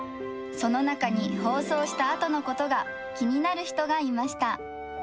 その中に放送したあとのことが気になる人がいました。